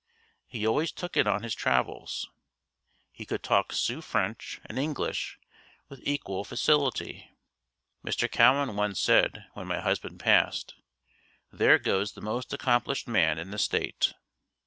He always took it on his travels. He could talk Sioux French and English with equal facility. Mr. Cowen once said when my husband passed, "There goes the most accomplished man in the State."